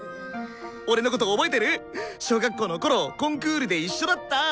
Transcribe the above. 俺のこと覚えてる？小学校のころコンクールで一緒だった。